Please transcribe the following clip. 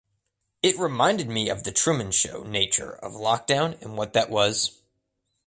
It reminded me of The Truman Show nature of lockdown and what that was.